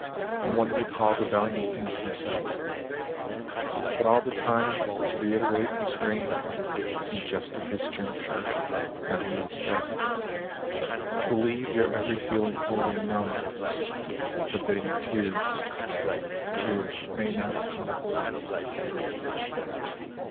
And one recall the valiant things he said, But all the time, reiterate as rain, Some jest of his turned sharp, now he is dead, Will leave your every feeling wholly numb, Forbidding tears, the tears that may not come.